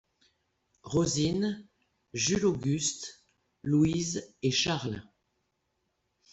Rosine, Jules Auguste, Louise et Charles.